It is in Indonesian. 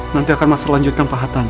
nanti akan mas selanjutkan pahatan